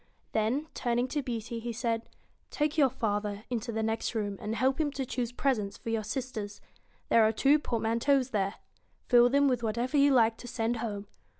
Then, turning to Beauty, he said : 'Take your father into the next room, and help him to choose presents for your sisters. There are two port manteaus there. Fill them with whatever you like to send home.